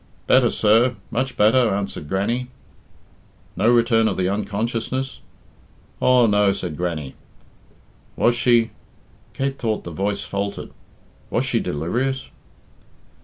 "Better, sir much better," answered Grannie. "No return of the unconsciousness?" "Aw, no," said Grannie. "Was she" Kate thought the voice faltered "was she delirious?"